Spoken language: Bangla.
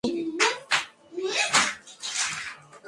বললাম তো, এটাই আমাদের কাজের দায়িত্ব।